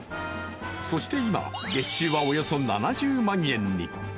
そして今、月収はおよそ７０万円に。